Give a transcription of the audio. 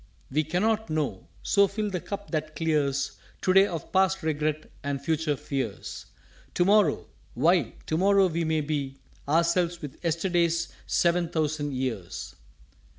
"_We cannot know so fill the cup that clears To day of past regret and future fears: To morrow! Why, To morrow we may be Ourselves with Yesterday's sev'n thousand Years.